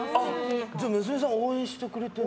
娘さんは応援してくれてるんだ。